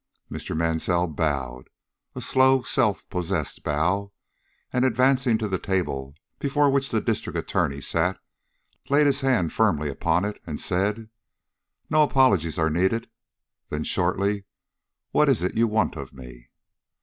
Mr. Mansell bowed a slow, self possessed bow, and advancing to the table before which the District Attorney sat, laid his hand firmly upon it and said: "No apologies are needed." Then shortly, "What is it you want of me?"